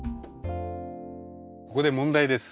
ここで問題です。